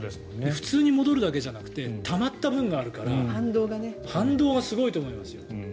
普通に戻るだけじゃなくてたまった分があるから反動がすごいと思いますよ。